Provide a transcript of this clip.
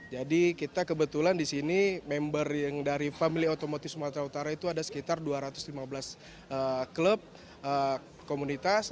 jadi kita kebetulan di sini member yang dari family automotive sumatera utara itu ada sekitar dua ratus lima belas klub komunitas